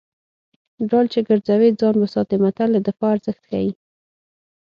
ډال چې ګرځوي ځان به ساتي متل د دفاع ارزښت ښيي